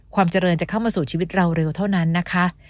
ความเจริญจะเข้ามาสู่ชีวิตเราเร็วเท่านั้นนะคะ